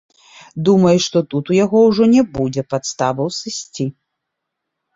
Думаю, што тут у яго ўжо не будзе падставаў сысці.